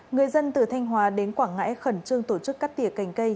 người dân từ thanh hóa đến quảng ngãi khẩn trương tổ chức cắt tỉa cành cây